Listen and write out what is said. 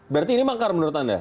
berarti ini makar menurut anda